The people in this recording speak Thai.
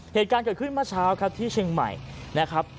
เหตุการณ์เกิดขึ้นเมื่อเช้าครับที่เชียงใหม่นะครับ